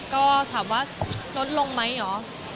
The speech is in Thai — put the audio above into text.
ก็ถามว่าลดลงไหมเหรอ